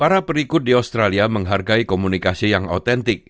para perikut di australia menghargai komunikasi yang otentik